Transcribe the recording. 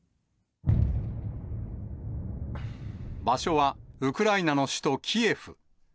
場所はウクライナの首都キエフ。